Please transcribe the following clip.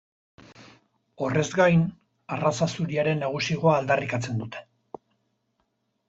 Horrez gain, arraza zuriaren nagusigoa aldarrikatzen dute.